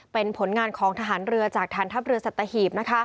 เป็นผลงานของทหารเรือจากฐานทัพเรือสัตหีบ